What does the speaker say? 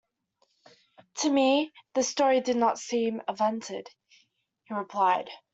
"To me this story does not seem invented," he replied.